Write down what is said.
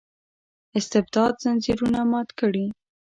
استبداد ځنځیرونه مات کړي.